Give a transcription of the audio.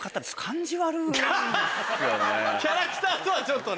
キャラクターとはちょっとね。